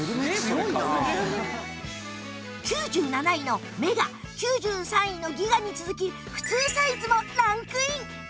９７位のメガ９３位のギガに続き普通サイズもランクイン